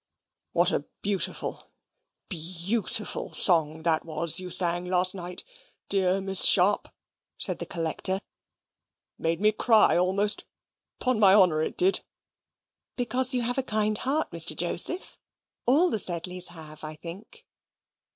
"What a beautiful, BYOO OOTIFUL song that was you sang last night, dear Miss Sharp," said the Collector. "It made me cry almost; 'pon my honour it did." "Because you have a kind heart, Mr. Joseph; all the Sedleys have, I think."